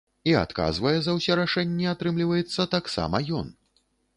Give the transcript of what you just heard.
І адказвае за ўсе рашэнні, атрымліваецца, таксама ён.